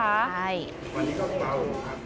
วันนี้ก็ควรพบค่ะ